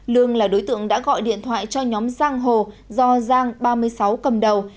lương là đối tượng đã gọi điện thoại cho nhóm giang hồ do giang ba mươi sáu cầm đầu